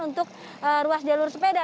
untuk ruas jalur sepeda